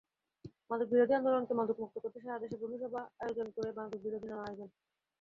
মাদকবিরোধী আন্দোলনদেশকে মাদকমুক্ত করতে সারা দেশে বন্ধুসভা আয়োজন করে মাদকবিরোধী নানা আয়োজন।